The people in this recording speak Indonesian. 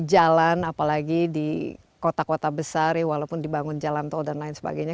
jalan apalagi di kota kota besar ya walaupun dibangun jalan tol dan lain sebagainya